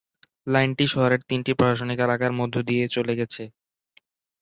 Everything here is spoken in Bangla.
লাইনটি শহরের তিনটি প্রশাসনিক এলাকার মধ্য দিয়ে চলে গেছে।